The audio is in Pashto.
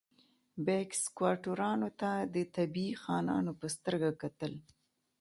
بیګ سکواټورانو ته د طبیعي خانانو په سترګه کتل.